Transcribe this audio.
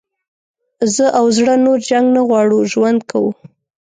زه او زړه نور جنګ نه غواړو ژوند کوو.